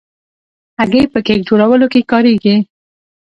هګۍ په کیک جوړولو کې کارېږي.